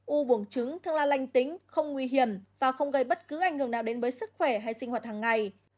u buồng trứng thường là lanh tính không nguy hiểm và không gây bất cứ ảnh hưởng nào đến với sức khỏe hay sinh hoạt hàng ngày